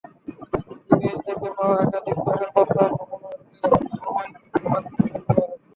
Email থেকে পাওয়া একাধিক প্রেমের প্রস্তাব আপনাকে সাময়িক বিভ্রান্তিতে ফেলতে পারে।